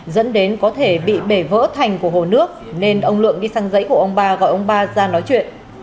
dẫn đến có thể bị bể vỡ thành của hồ nước nên ông lượng đi sang dãy của ông ba gọi ông ba ra nói chuyện